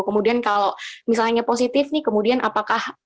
kemudian kalau misalnya positif nih kemudian apakah